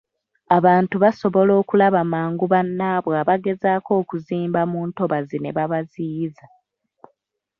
Abantu basobola okulaba mangu bannaabwe abagezaako okuzimba mu ntobazi ne babaziyiza.